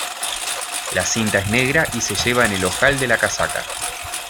La cinta es negra y se lleva en el ojal de la casaca.